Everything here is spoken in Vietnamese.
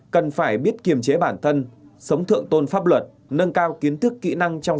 cần phải biết kiềm chế bản thân sống thượng tôn pháp luật nâng cao kiến thức kỹ năng trong